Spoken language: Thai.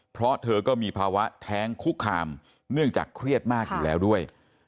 เพราะเธอก็มีภาวะแท้งคุกคามเนื่องจากเครียดมากอยู่แล้วด้วย